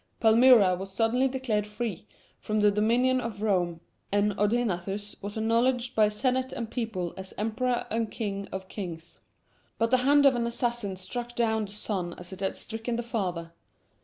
Palmyra was suddenly declared free from the dominion of Rome, and Odaenathus was acknowledged by senate and people as "Emperor and King of kings." But the hand of an assassin struck down the son as it had stricken the father.